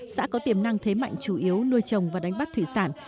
xã có tiềm năng thế mạnh chủ yếu nuôi trồng và đánh bắt thủy sản